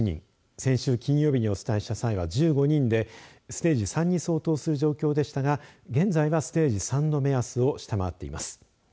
先週金曜日にお伝えした際は１５人でステージ３に相当する状況でしたが現在はステージ３の目安を下回っています。